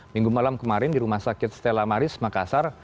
minggu malam kemarin di rumah sakit stella maris makassar